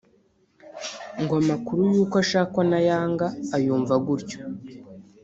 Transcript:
ngo amakuru y’uko ashakwa na Young ayumva gutyo